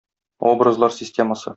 Образлар системасы.